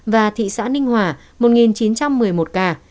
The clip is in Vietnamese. và thị xã ninh hòa một chín trăm một mươi một ca